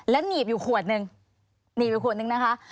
หนีบอยู่ขวดนึงหนีบอยู่ขวดนึงนะคะ